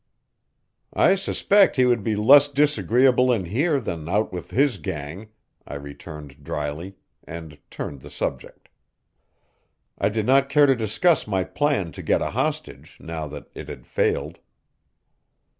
"I suspect he would be less disagreeable in here than out with his gang," I returned dryly, and turned the subject. I did not care to discuss my plan to get a hostage now that it had failed.